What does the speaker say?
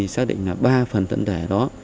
xác định là ba phần tận thể đó